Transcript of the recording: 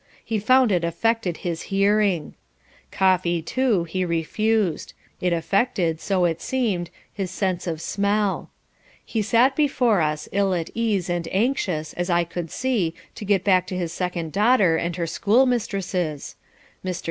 He found it affected his hearing. Coffee, too, he refused. It affected, so it seemed, his sense of smell. He sat beside us, ill at ease, and anxious, as I could see, to get back to his second daughter and her schoolmistresses. Mr.